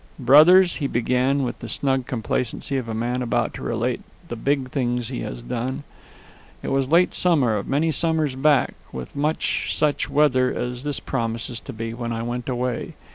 "Brothers," he began, with the smug complacency of a man about to relate the big things he has done, "it was late summer of many summers back, with much such weather as this promises to be, when I went away.